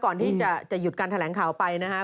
ก่อนที่จะหยุดการแถลงข่าวไปนะครับ